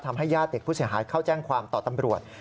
ญาติเด็กผู้เสียหายเข้าแจ้งความต่อตำรวจ